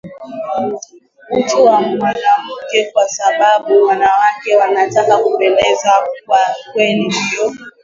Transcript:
utu wa mwanamuke kwa sababu mwanamke anatakiwa kupendeza kwa kweli ndio